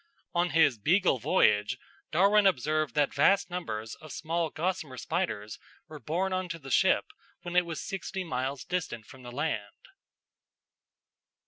On his Beagle voyage Darwin observed that vast numbers of small gossamer spiders were borne on to the ship when it was sixty miles distant from the land.